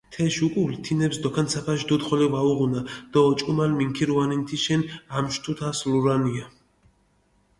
თეშ უკულ თინეფს დოქანცაფაშ დუდი ხოლო ვაუღუნა დო ოჭკომალ მინქირუანინ თიშენ ამშვი თუთას ლურანია.